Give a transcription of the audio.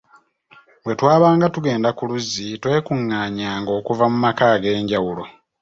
Bwe twabanga tugenda ku luzzi, twekunganyanga okuva mu maka ag’enjawulo.